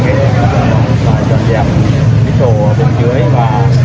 nếu không có b intra philleriririririririririririro